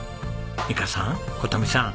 美香さん琴美さん